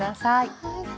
はい。